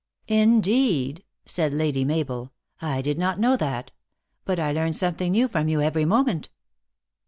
" Indeed I" said Lady Mabel, " I did not know that. But I learn something new from you every moment."